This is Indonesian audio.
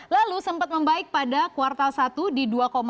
lalu sempat membaik pada kuartal satu di dua lima